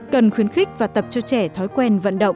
cần khuyến khích và tập cho trẻ thói quen vận động